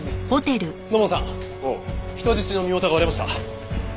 土門さん人質の身元が割れました。